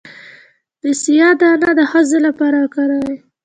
د سویا دانه د ښځو لپاره وکاروئ